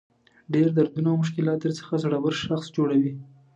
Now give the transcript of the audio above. ډېر دردونه او مشکلات درڅخه زړور شخص جوړوي.